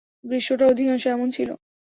গ্রীষ্মটা অধিকাংশই এমন ছিল।